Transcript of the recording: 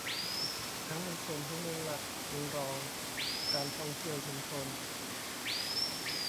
ทั้งในส่วนของเมืองหลัก เมืองรอง การท่องเที่ยวชุมชน